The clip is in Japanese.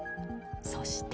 そして。